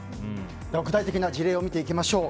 具体的な事例を見ていきましょう。